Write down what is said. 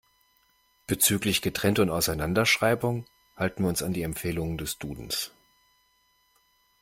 Bezüglich Getrennt- und Auseinanderschreibung halten wir uns an die Empfehlungen des Dudens.